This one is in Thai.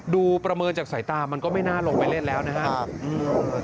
ประเมินจากสายตามันก็ไม่น่าลงไปเล่นแล้วนะครับ